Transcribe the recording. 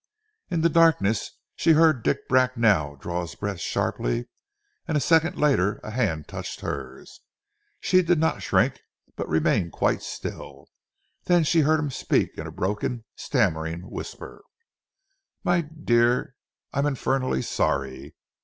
In the darkness she heard Dick Bracknell draw his breath sharply, and a second later a hand touched hers. She did not shrink, but remained quite still, and then heard him speak in a broken, stammering whisper "My dear ... I'm infernally sorry